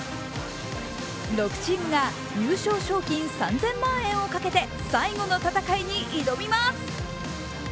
６チームが優勝賞金３０００万円をかけて、最後の戦いに挑みます。